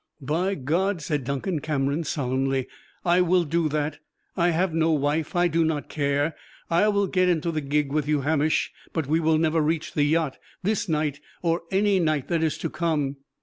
"By God," said Duncan Cameron, solemnly, "I will do that! I have no wife; I do not care. I will go into the gig with you, Hamish; but we will never reach the yacht this night or any night that is to come."